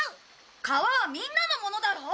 川はみんなのものだろ？